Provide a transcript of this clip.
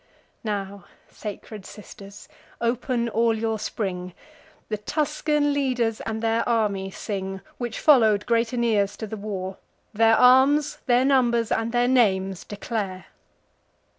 Now, sacred sisters, open all your spring! The Tuscan leaders, and their army sing, Which follow'd great Aeneas to the war: Their arms, their numbers, and their names declare.